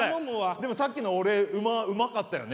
でもさっきの俺馬うまかったよね。